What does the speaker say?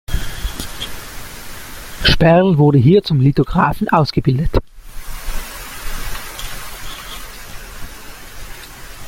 Sperl wurde hier zum Lithografen ausgebildet.